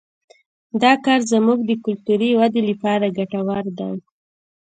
دا کار زموږ د کلتوري ودې لپاره ګټور دی